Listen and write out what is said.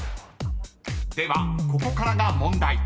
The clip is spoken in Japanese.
ではここからが問題］